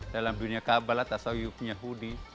dalam dunia kabal atas ayubnya hudi